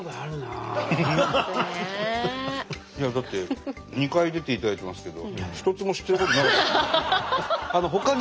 いやだって２回出ていただいてますけど一つも知ってることなかったですよね。